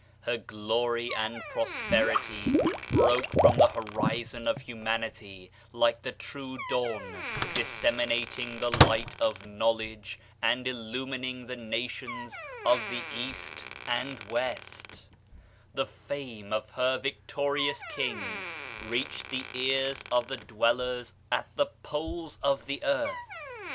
Her glory and prosperity broke from the horizon of humanity like the true dawn, disseminating the light of knowledge and illumining the nations of the East and West The fame of her victorious kings reached the ears of the dwellers at the polea of the earth.